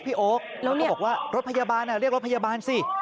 ก็บอกว่ารถพยาบาลอ่ะเรียกรถพยาบาลสิ